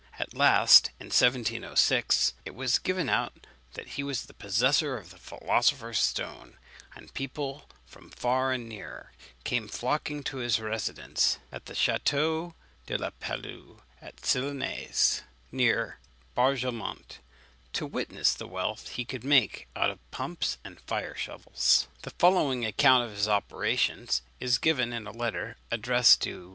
At last, in 1706, it was given out that he was the possessor of the philosopher's stone; and people from far and near came flocking to his residence, at the Château de la Palu, at Sylanez, near Barjaumont, to witness the wealth he could make out of pumps and fire shovels. The following account of his operations is given in a letter addressed by M.